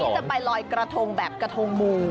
จะไปลอยกระทงแบบกระทงมู